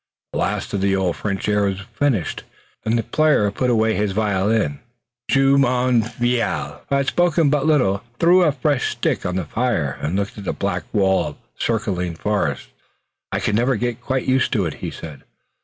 The last of the old French airs was finished, and the player put his violin away. Jumonville, who had spoken but little, threw a fresh stick on the fire and looked at the black wall of circling forest. "I can never get quite used to it," he said.